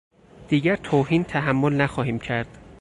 دیگر توهین تحمل نخواهیم کرد!